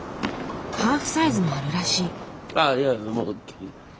ハーフサイズもあるらしい。